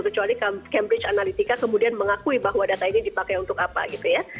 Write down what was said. kecuali cambridge analytica kemudian mengakui bahwa data ini dipakai untuk apa gitu ya